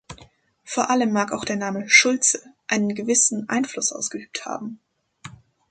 Vor allem mag auch der Name "Schulze" einen gewissen Einfluss ausgeübt haben.